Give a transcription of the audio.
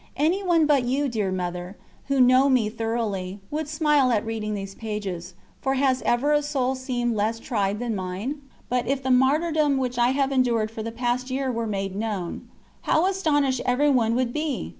Anyone but you, dear Mother, who know me thoroughly, would smile at reading these pages, for has ever a soul seemed less tried than mine? But if the martyrdom which I have endured for the past year were made known, how astonished everyone would be!